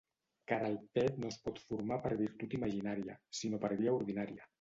Car el pet no es pot formar per virtut imaginària, sinó per via ordinària.